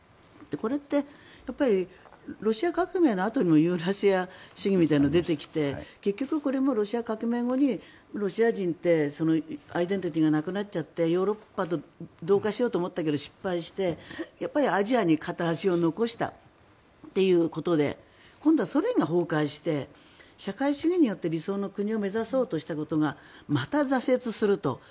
これってやっぱりロシア革命のあとにもユーラシア主義みたいなのが出てきて結局、これもロシア革命後にロシア人ってアイデンティティーがなくなっちゃってヨーロッパと同化しようと思ったけど失敗してやっぱりアジアに片足を残したということで今度はソ連が崩壊して社会主義によって理想の国を目指そうとしたことがまた挫折すると。